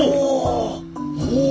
ほう！